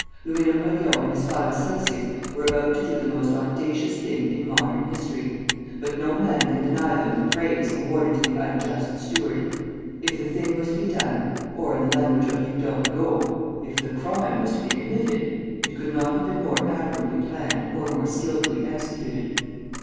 Louis Napoleon and his five associates were about to do the most audacious thing in modern history; but no man can deny them the praise awarded to the unjust steward. If the thing was to be done, or, in the language of Victor Hugo, if the crime was to be committed, it could not have been more admirably planned or more skilfully executed.